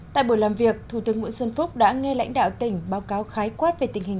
tại buổi làm việc thủ tướng nguyễn xuân phúc đã nghe lãnh đạo tỉnh báo cáo khái quát về tình hình